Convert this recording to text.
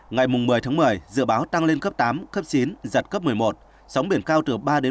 ngày một mươi một mươi dự báo tăng lên cấp tám cấp chín giật cấp một mươi một